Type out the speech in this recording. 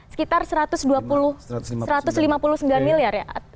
sekitar rp satu ratus lima puluh sembilan miliar